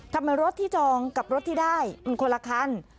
รถที่จองกับรถที่ได้มันคนละคัน